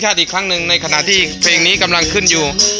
อีกครั้งหนึ่งในขณะที่เพลงนี้กำลังขึ้นอยู่